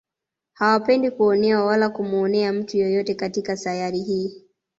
Hawapendi kuonewa wala kumuonea mtu yeyote katika sayari hii